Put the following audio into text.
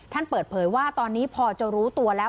ท่านเปิดเผยว่าตอนนี้พอจะรู้ตัวแล้ว